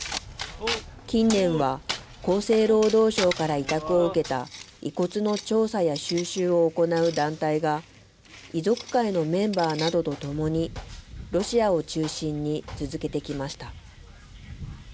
近年は厚生労働省から委託を受けた、遺骨の調査や収集を行う団体が、遺族会のメンバーなどとともに、ロシアを中心に続けてきました。